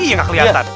iya enggak kelihatan